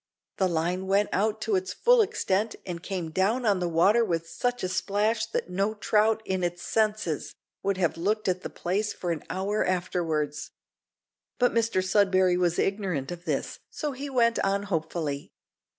The line went out to its full extent, and came down on the water with such a splash that no trout in its senses would have looked at the place for an hour afterwards. But Mr Sudberry was ignorant of this, so he went on hopefully.